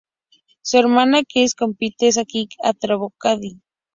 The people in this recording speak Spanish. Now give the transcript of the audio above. Su hermana Cassie compite en esquí acrobático.